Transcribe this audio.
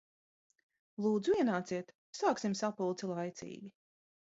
Lūdzu ienāciet, sāksim sapulci laicīgi.